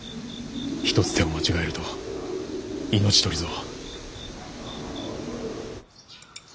一つ手を間違えると命取りぞ。